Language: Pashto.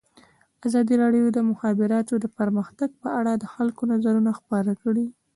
ازادي راډیو د د مخابراتو پرمختګ په اړه د خلکو نظرونه خپاره کړي.